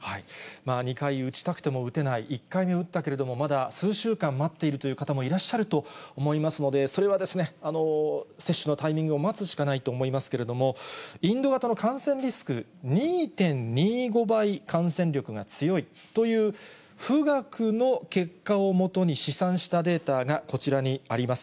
２回打ちたくても打てない、１回目打ったけれども、まだ数週間待っているという方もいらっしゃると思いますので、それは接種のタイミングを待つしかないと思いますけれども、インド型の感染リスク、２．２５倍感染力が強いという、富岳の結果を基に試算したデータがこちらにあります。